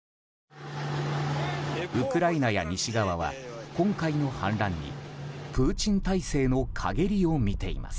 ウクライナや西側は今回の反乱にプーチン体制の陰りを見ています。